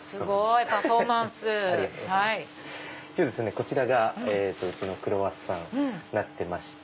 こちらがうちのクロワッサンになってまして。